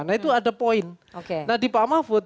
nah itu ada poin nah di pak mahfud